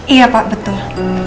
iya pak betul